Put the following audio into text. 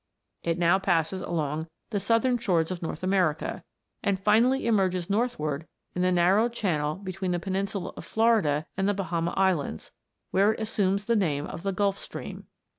It now passes along the southern shores of North America, and finally emerges northward in the narrow channel between the peninsula of Florida and the Bahama Islands, where it assumes the name of the Gulf Stream.